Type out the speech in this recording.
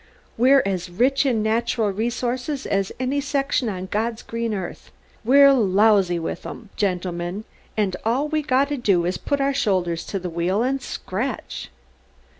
We're as rich in natural resources as any section on God's green earth. We're lousy with 'em, gentlemen, and all we gotta do is to put our shoulders to the wheel and scratch!"